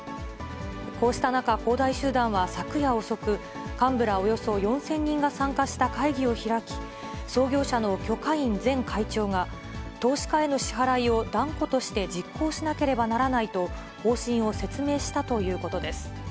こうした中、恒大集団は昨夜遅く、幹部らおよそ４０００人が参加した会議を開き、創業者の許家印前会長が、投資家への支払いを断固として実行しなければならないと、方針を説明したということです。